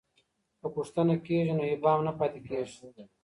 که پوښتنه کېږي نو ابهام نه پاته کېږي.